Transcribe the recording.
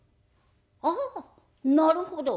「ああなるほど。